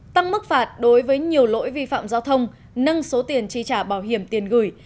tăng mức phạt đối với nhiều lỗi vi phạm giao thông nâng số tiền chi trả bảo hiểm tiền gửi